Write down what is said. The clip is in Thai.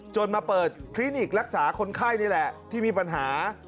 มาเปิดคลินิกรักษาคนไข้นี่แหละที่มีปัญหา